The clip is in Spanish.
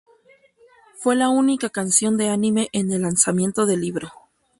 Fue la única canción de anime en el lanzamiento del libro.